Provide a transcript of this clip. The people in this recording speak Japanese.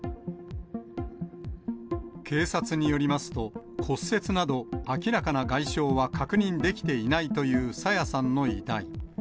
警察によりますと、骨折など明らかな外傷は確認できていないという朝芽さんの遺体。